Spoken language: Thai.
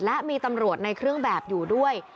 และมีตำรวจในเครื่องแบบอยู่ด้วย